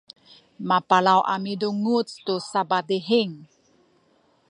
mapalaw a milunguc tu sapadihing